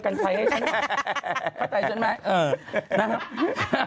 เข้าใจฉันไหมเออนะครับ